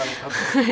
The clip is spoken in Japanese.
はい。